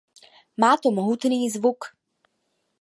Má to mohutný zvuk.